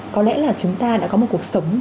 có lẽ là chúng ta đã có một cuộc sống